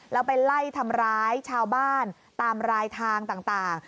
แล้วไปไล่ทำร้ายชาวบ้านตามรายทางต่าง